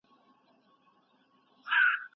د 'افغان' کلمه یوه لرغونې اصطلاح ده.